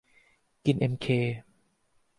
กินเอ็มเค